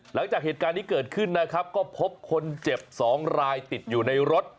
หลังจากเหตุการณ์นี้เกิดขึ้นนะครับก็พบคนเจ็บ๒รายติดอยู่ในรถ